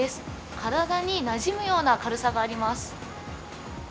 体になじむような軽さがあります。